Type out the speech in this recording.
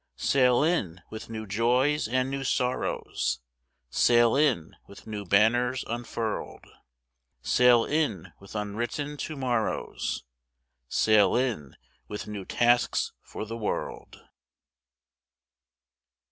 Sail in with new joys and new sorrows, Sail in with new banners unfurled, Sail in with unwritten to morrows, Sail in with new tasks for the world.